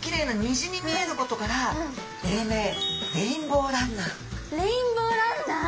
きれいなにじに見えることからレインボーランナー！？